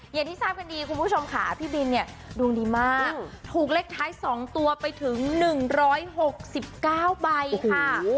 อย่างที่ทราบกันดีคุณผู้ชมขาพี่บินเนี่ยดวงดีมากถูกเล็กท้ายสองตัวไปถึงหนึ่งร้อยหกสิบเก้าใบค่ะ